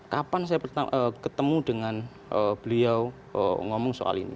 kapan saya ketemu dengan beliau ngomong soal ini